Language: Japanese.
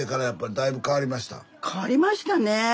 変わりましたね。